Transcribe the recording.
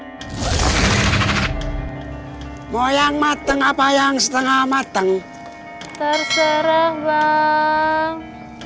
hai mau yang mateng apa yang setengah mateng terserah bang